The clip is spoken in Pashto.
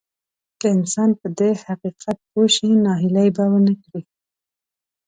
که انسان په دې حقيقت پوه شي ناهيلي به ونه کړي.